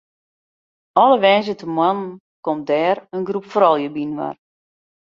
Alle woansdeitemoarnen komt dêr in groep froulju byinoar.